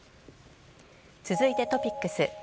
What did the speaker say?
続いてトピックス。